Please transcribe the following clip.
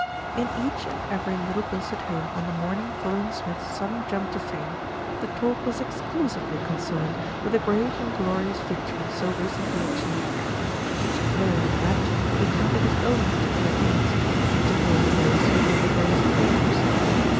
In each and every Little Bilstead home on the morn ing following Smith's sudden jump to fame, the talk was exclusively concerned with the great and glorious victory so recently achieved. Each player in the match recounted his own particular deeds, particularly those who had been the greatest failures.